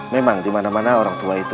memang dimana mana orang tua itu